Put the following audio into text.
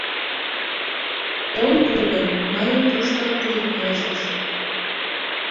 — Ом пу гын, мыйын тушто тул ылыжеш.